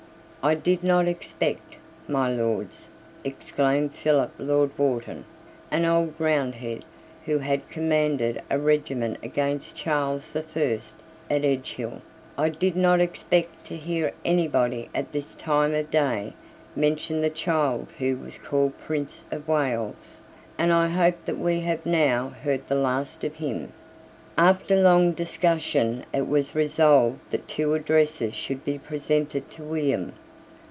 "I did not expect, my Lords," exclaimed Philip Lord Wharton, an old Roundhead, who had commanded a regiment against Charles the First at Edgehill, "I did not expect to hear anybody at this time of day mention the child who was called Prince of Wales; and I hope that we have now heard the last of him." After long discussion it was resolved that two addresses should be presented to William.